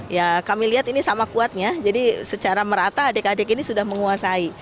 ya kami lihat ini sama kuatnya jadi secara merata adik adik ini sudah menguasai